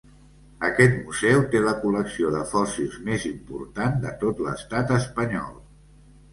Aquest museu té la col·lecció de fòssils més important de tot l'estat espanyol.